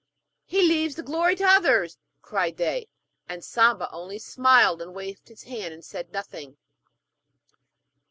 He leaves the glory to others!' cried they. And Samba only smiled and waved his hand, and said nothing.